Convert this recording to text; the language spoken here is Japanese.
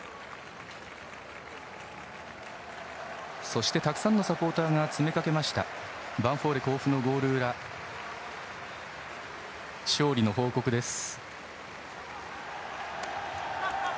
そして、たくさんのサポーターが詰めかけましたヴァンフォーレ甲府のゴール裏勝利の報告です。